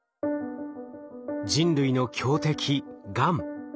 人類の強敵がん。